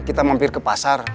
kita mampir ke pasar